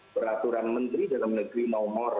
peraturan menteri dalam negeri no more